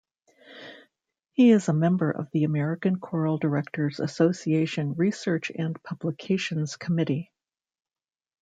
He is a member of the American Choral Directors Association Research and Publications Committee.